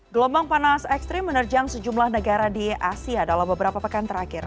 gelombang panas ekstrim menerjang sejumlah negara di asia dalam beberapa pekan terakhir